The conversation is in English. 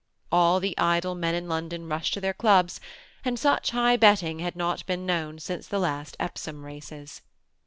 All the idle men in London rushed to their ekiba, and such high betting had not been known since the last Epsom races.